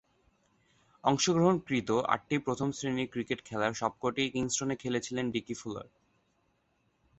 অংশগ্রহণকৃত আটটি প্রথম-শ্রেণীর ক্রিকেট খেলার সবকটিই কিংস্টনে খেলেছিলেন ডিকি ফুলার।